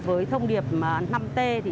với thông điệp năm t